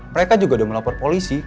mereka juga sudah melapor polisi